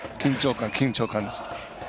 緊張感で。